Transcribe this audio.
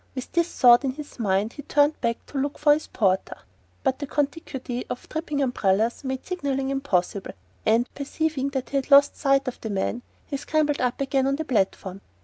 With this thought in his mind he turned back to look for his porter; but the contiguity of dripping umbrellas made signalling impossible and, perceiving that he had lost sight of the man, he scrambled up again to the platform.